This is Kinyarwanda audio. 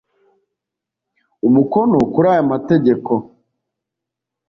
Umukono kuri aya mategeko